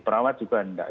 perawat juga tidak